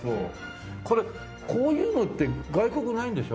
これこういうのって外国ないんでしょ？